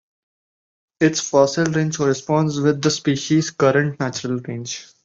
Its fossil range corresponds with the species' current natural range.